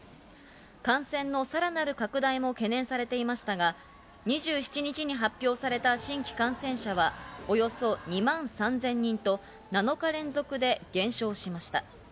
感染のさらなる拡大も懸念されていましたが、２７日に発表された新規感染者はおよそ２万３０００人と、７日連続で減少しました。